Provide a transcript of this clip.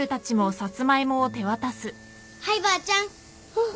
あっ。